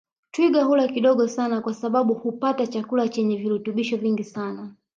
Twiga hula kidogo sana kwa sababu hupata chakula chenye virutubisho vingi sana